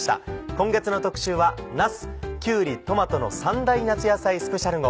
今月の特集はなすきゅうりトマトの３大夏野菜スペシャル号。